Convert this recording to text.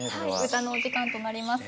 歌のお時間となります。